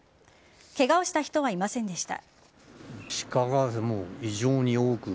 ケガをした人はいませんでした。